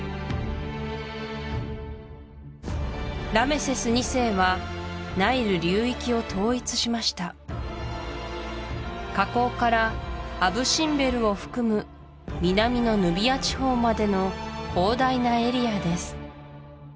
ラメセス２世はナイル流域を統一しました河口からアブ・シンベルを含む南のヌビア地方までの広大なエリアです